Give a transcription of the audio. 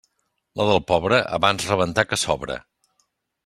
La del pobre: abans rebentar que sobre.